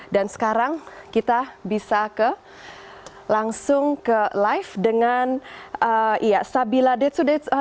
dan sekarang kita bisa langsung ke live dengan sabila